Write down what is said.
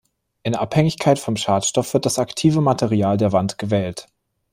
In Abhängigkeit vom Schadstoff wird das aktive Material der Wand gewählt.